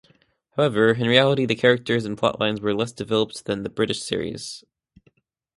However, in reality the characters and plotlines were less developed than the British series.